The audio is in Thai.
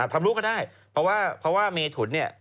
ทำลูกก็ได้เพราะว่าเม่ทุนเนี่ย